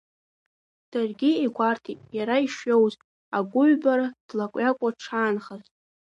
Даргьы игәарҭеит, иара ишиоуз агәыҩбара, длакҩакуа дшаанхаз.